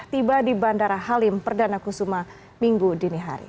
tiba di bandara halim perdana kusuma minggu dinihari